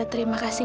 kok dipiliki itu